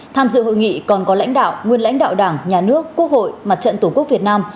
tham dự hội nghị còn có lãnh đạo nguyên lãnh đạo đảng nhà nước quốc hội mặt trận tổ quốc việt nam